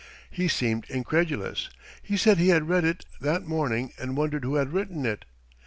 He seemed incredulous. He said he had read it that morning and wondered who had written it.